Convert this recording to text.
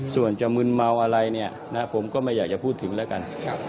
ส่วนจะมึนเมาอะไรเนี่ยนะผมก็ไม่อยากจะพูดถึงแล้วกัน